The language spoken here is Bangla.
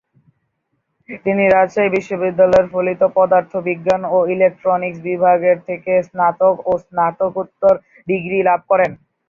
তিনি রাজশাহী বিশ্ববিদ্যালয়ের ফলিত পদার্থবিজ্ঞান ও ইলেকট্রনিক্স বিভাগের থেকে স্নাতক ও স্নাতকোত্তর ডিগ্রি লাভ করেন।